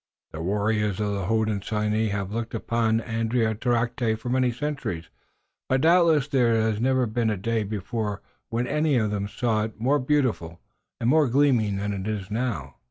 The warriors of the Hodenosaunee have looked upon Andiatarocte for many centuries, but doubtless there has never been a day before when any one of them saw it more beautiful and more gleaming than it is now."